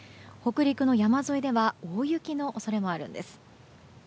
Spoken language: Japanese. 北陸の山沿いでは大雪の恐れもあるんです。